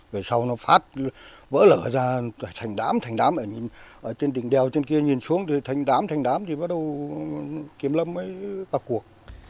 về sau nó phát vỡ lở ra thành đám thành đám ở trên đỉnh đèo trên kia nhìn xuống thì thành đám thành đám thì bắt đầu kiểm lâm mới bắt cuộc